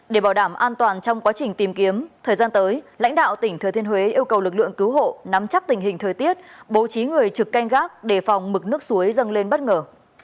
để bảo đảm an toàn trong quá trình tìm kiếm thời gian tới lãnh đạo tỉnh thừa thiên huế yêu cầu lực lượng cứu hộ nắm chắc tình hình thời tiết bố trí người trực canh gác đề phòng mực nước suối dâng lên bất ngờ